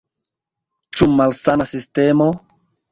Ĉu malsana sistemo?